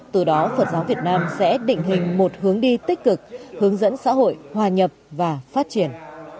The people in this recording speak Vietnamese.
từ đó phật giáo việt nam sẽ định hình một hướng đi tích cực hướng dẫn xã hội hòa nhập và phát triển